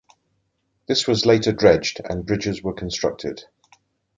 This was later dredged and bridges were constructed.